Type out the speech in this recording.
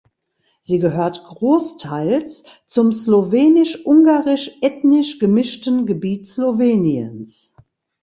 Sie gehört großteils zum slowenisch-ungarisch ethnisch gemischten Gebiet Sloweniens.